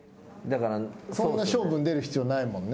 そんな勝負に出る必要ないもんね。